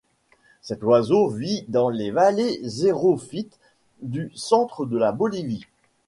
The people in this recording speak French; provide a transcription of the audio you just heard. Cet oiseau vit dans les vallées xerophytes du centre de la Bolivie.